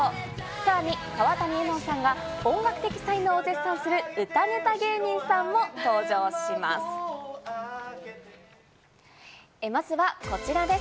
さらに川谷絵音さんが音楽的才能を絶賛する歌ネタ芸人さんも登場します。